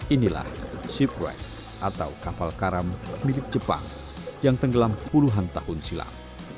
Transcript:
inilah ship wren atau kapal karam milik jepang yang tenggelam puluhan tahun silam